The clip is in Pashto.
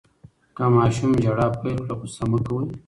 که ماشوم ژړا پیل کړه، غوصه مه کوئ.